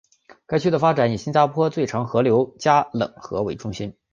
该区的发展以新加坡最长河流加冷河为中心。